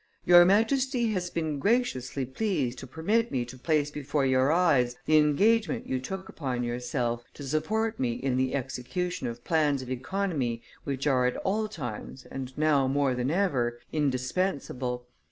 "Your Majesty has been graciously pleased to permit me to place before your eyes the engagement you took upon yourself, to support me in the execution of plans of economy which are at all times, and now more than ever, indispensable.